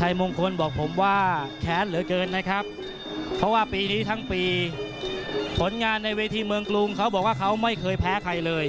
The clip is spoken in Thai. ชัยมงคลบอกผมว่าแค้นเหลือเกินนะครับเพราะว่าปีนี้ทั้งปีผลงานในเวทีเมืองกรุงเขาบอกว่าเขาไม่เคยแพ้ใครเลย